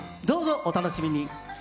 どうぞお楽しみに。